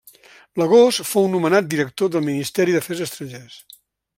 L'agost fou nomenat director del Ministeri d'Afers Estrangers.